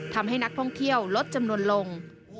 ทำให้นักท่องเที่ยวลดจำนวนลง